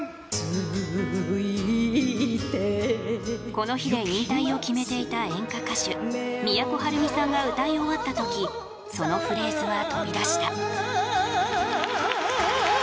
この日で引退を決めていた演歌歌手都はるみさんが歌い終わったときそのフレーズは飛び出した。